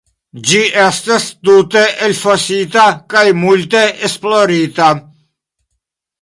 Ĝi estas tute elfosita kaj multe esplorita.